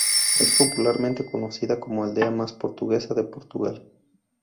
Es popularmente conocida como ""aldea más portuguesa de Portugal"".